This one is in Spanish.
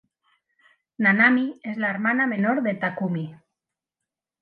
Nanami es la hermana menor de Takumi.